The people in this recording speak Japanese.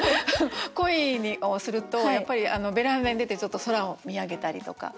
恋をするとベランダに出てちょっと空を見上げたりとか。